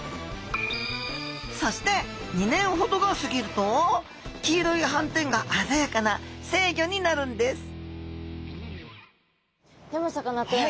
そして２年ほどが過ぎると黄色い斑点が鮮やかな成魚になるんですでもさかなクン。